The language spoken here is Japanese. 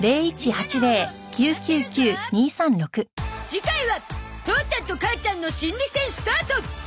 次回は父ちゃんと母ちゃんの心理戦スタート